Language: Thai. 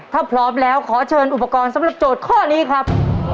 ถ้าพร้อมแล้วขอเชิญอุปกรณ์สำหรับโจทย์ข้อนี้ครับ